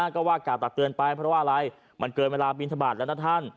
ก็ว่ากล่าวตักเตือนไปเพราะว่าอะไรมันเกินเวลาบินทบาทแล้วนะท่าน